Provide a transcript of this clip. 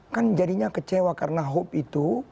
kan jadinya kecewa karena hope itu